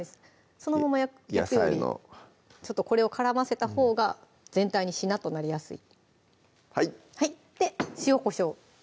そのまま焼くよりちょっとこれを絡ませたほうが全体にしなっとなりやすいはいで塩・こしょうです